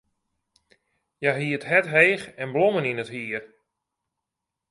Hja hie it hert heech en blommen yn it hier.